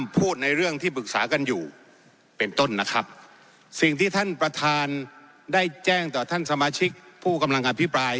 เป็นต้นนะครับสิ่งที่ท่านประธานได้แจ้งต่อท่านสมาชิกผู้กำลังงานพิปราย